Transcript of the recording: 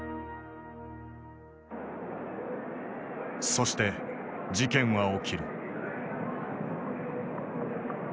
そして事件は起きる。